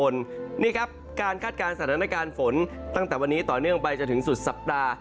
นี่ครับการคาดการณ์ฝนต่อเนื่องไปจะถึงสุดสัปดาห์